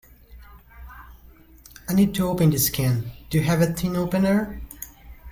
I need to open this can. Do you have a tin opener?